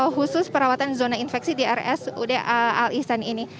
khusus perawatan zona infeksi drs uda al ihsan ini